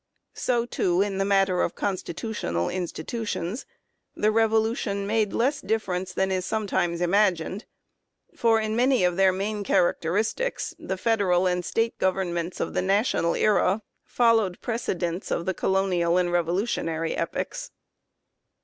So, too, in the matter of constitutional institutions, the Revolution made less difference than is sometimes imagined ; for, in many of their main characteristics, the Federal and State Governments of the national 'era followed precedents of the colonial and revolutionary epochs.